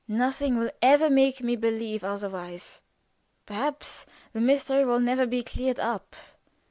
Nothing will ever make me believe otherwise. Perhaps the mystery will never be cleared up.